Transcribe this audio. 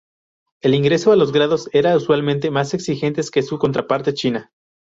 El ingreso a los grados eran usualmente más exigentes que su contraparte china.